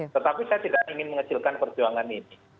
tetapi saya tidak ingin mengecilkan perjuangan ini